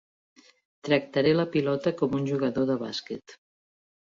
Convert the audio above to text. Tractaré la pilota com un jugador de bàsquet.